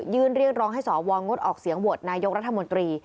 เรียกร้องให้สวงดออกเสียงโหวตนายกรัฐมนตรี